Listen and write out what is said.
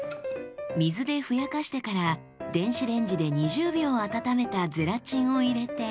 水でふやかしてから電子レンジで２０秒温めたゼラチンを入れて。